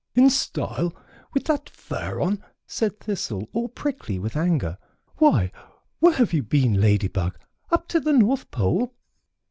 "In style with that fur on!" said Thistle, all prickly with anger. "Why, where have you been, Lady Bug? Up to the North Pole?"